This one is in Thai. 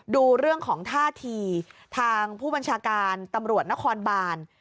ดูเรื่องของท่าทีทางผู้บัญชาการตำรวจนครบาน